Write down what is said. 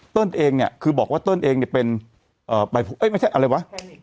เติ้ลเองเนี้ยคือบอกว่าเติ้ลเองเนี้ยเป็นเอ่อเอ๊ะไม่ใช่อะไรวะ